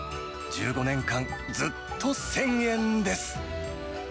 １５年間、ずっと１０００円です。